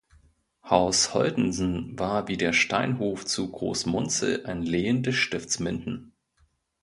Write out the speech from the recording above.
Haus Holtensen war wie der Steinhof zu Groß Munzel ein Lehen des Stifts Minden.